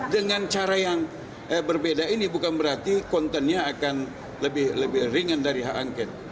dengan cara yang berbeda ini bukan berarti kontennya akan lebih ringan dari hak angket